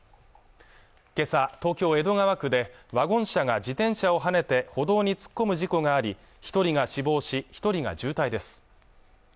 今朝東京江戸川区でワゴン車が自転車をはねて歩道に突っ込む事故があり一人が死亡し一人が重体です